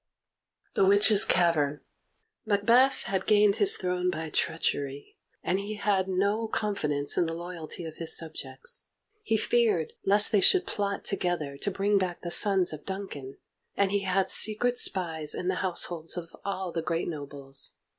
The Witches' Cavern Macbeth had gained his throne by treachery, and he had no confidence in the loyalty of his subjects. He feared lest they should plot together to bring back the sons of Duncan, and he had secret spies in the households of all the great nobles.